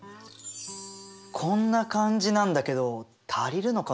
こんな感じなんだけど足りるのかなあ？